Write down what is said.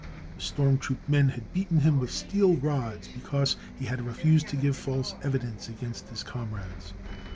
The storm troop men had beaten him with steel rods because he had refused to give false evidence against his comrades.